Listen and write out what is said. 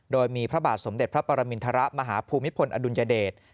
โดยมีพระบาทสมเด็จพระปรมินทรมาฮภูมิพลอดุลยเดช